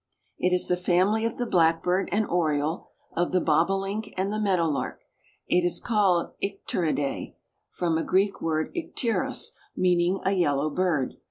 It is the family of the blackbird and oriole, of the bobolink and the meadowlark. It is called the Icteridae, from a Greek word ikteros, meaning a yellow bird.